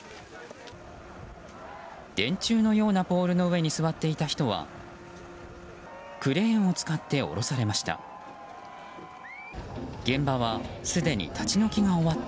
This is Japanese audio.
電柱のようなポールの上に座っていた人はクレーンを使って下ろされました。